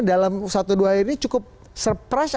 dalam satu dua hari ini cukup surprise